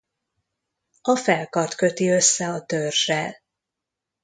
A felkart köti össze a törzzsel.